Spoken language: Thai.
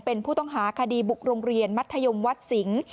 เป็นผู้ต้องหาคดีบุกโรงเรียนมัธยมวัดสิงศ์